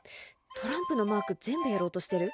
トランプのマーク全部やろうとしてる？